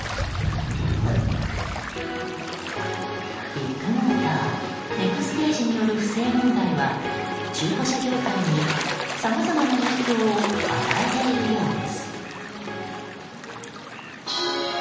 ビッグモーターネクステージによる不正問題は中古車業界にさまざまな影響を与えているようです。